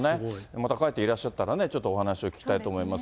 また帰っていらっしゃったらね、ちょっとお話を聞きたいと思います。